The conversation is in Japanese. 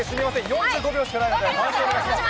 ４５秒しかないので、番宣お願いします。